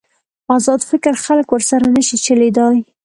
ازاد فکر خلک ورسره نشي چلېدای.